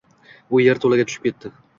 U yerto‘laga tushib ketdi.